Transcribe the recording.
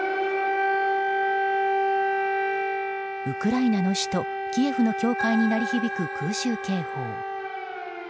ウクライナの首都キエフの教会に鳴り響く空襲警報。